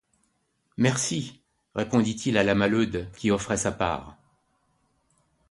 Merci, répondit-il à la Maheude qui lui offrait sa part.